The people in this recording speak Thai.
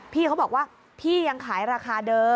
พี่เขาบอกว่าพี่ยังขายราคาเดิม